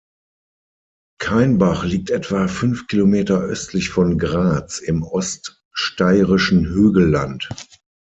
Kainbach liegt etwa fünf Kilometer östlich von Graz im Oststeirischen Hügelland.